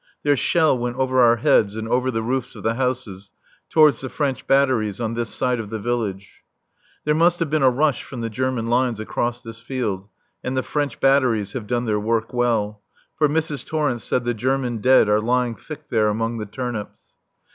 Their shell went over our heads and over the roofs of the houses towards the French batteries on this side of the village. There must have been a rush from the German lines across this field, and the French batteries have done their work well, for Mrs. Torrence said the German dead are lying thick there among the turnips.